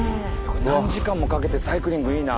何時間もかけてサイクリングいいな。